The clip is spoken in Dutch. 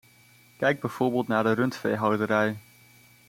Kijk bijvoorbeeld naar de rundveehouderij.